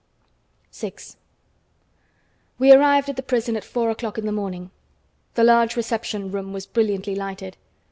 VI We arrived at the prison at four o'clock in the morning. The large reception room was brilliantly lighted.